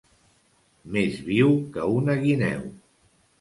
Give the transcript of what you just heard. Més viu que una guineu.